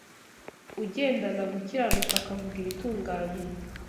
Ugendana gukiranuka akavuga ibitunganye